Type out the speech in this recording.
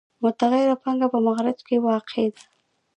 متغیره پانګه په مخرج کې واقع ده